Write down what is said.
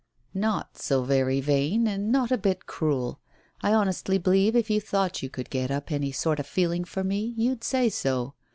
"Not so very vain, and not a bit cruel. I honestly believe if you thought you could get up any sort of feeling for me, you'd say so.